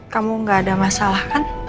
kamu gak ada masalah kan